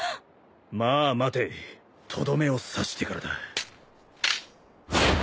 まあ待てとどめを刺してからだ。